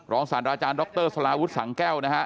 รองศาลอาจารย์ดรสลาวุธสังเก้านะฮะ